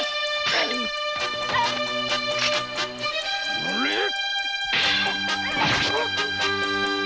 おのれっ！